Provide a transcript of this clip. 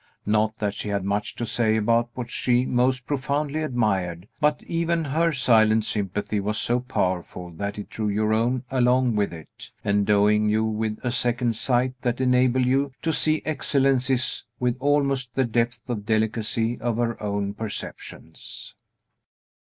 Not that she had much to say about what she most profoundly admired; but even her silent sympathy was so powerful that it drew your own along with it, endowing you with a second sight that enabled you to see excellences with almost the depth and delicacy of her own perceptions.